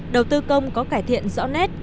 đầu tư công có cải thiện rõ nét